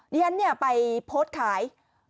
ดิฉันเนี่ยไปโพสต์ขาย